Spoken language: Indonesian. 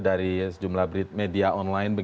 dari sejumlah media online